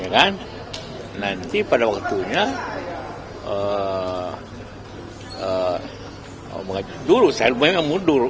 nanti pada waktunya dulu saya rumahnya mundur